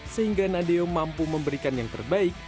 sehingga nadeo mampu memberikan yang terbaik